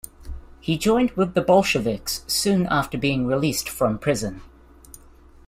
He joined with the Bolsheviks soon after being released from prison.